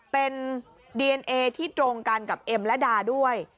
เป็นดีเอนเอที่ตรงกันกับเอ็มและดาด้วย